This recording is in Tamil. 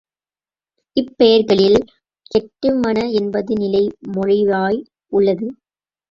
இப்பெயர்களில் ல் கெட்டு மண என்பது நிலைமொழியாய் உள்ளது.